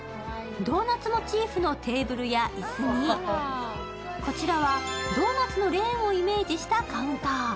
ドーナツモチーフのテーブルや椅子に、こちらはドーナツのレーンをイメージしたカウンター。